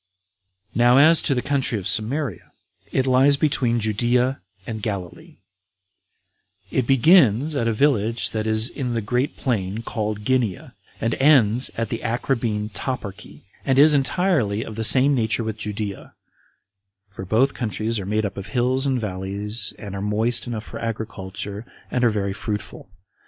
4. Now as to the country of Samaria, it lies between Judea and Galilee; it begins at a village that is in the great plain called Ginea, and ends at the Acrabbene toparchy, and is entirely of the same nature with Judea; for both countries are made up of hills and valleys, and are moist enough for agriculture, and are very fruitful.